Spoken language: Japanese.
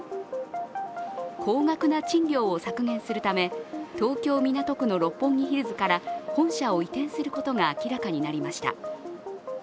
高額な賃料を削減するため、東京・港区の六本木ヒルズから本社を移転することが明らかになりました。